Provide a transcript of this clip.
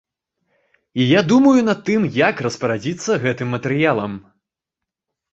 І я думаю над тым, як распарадзіцца гэтым матэрыялам.